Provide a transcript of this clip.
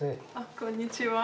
こんにちは。